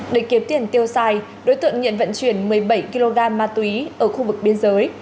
để kiếm tiền tiêu xài đối tượng nhận vận chuyển một mươi bảy kg ma túy ở khu vực biên giới